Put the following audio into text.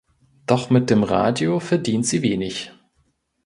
Doch mit dem Radio verdient sie wenig.